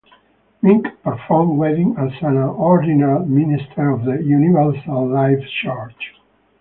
Mink performs weddings as an ordained minister of the Universal Life Church.